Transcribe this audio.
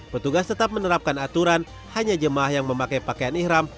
petugas tetap menerapkan aturan hanya jemaah yang memakai pakaian ikhram